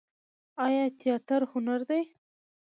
آیا تیاتر هنر دی؟